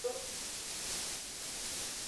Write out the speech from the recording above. Na sasa tuangalie historia ya Vyombo vya habari